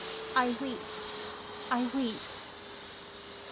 I weep! I weep!"